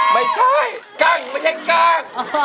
ไม่ใช่กากไม่ใช่กาง